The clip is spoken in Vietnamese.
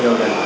nhiều lần rồi